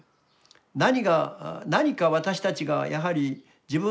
何が何か私たちがやはり自分たちで可能なことをね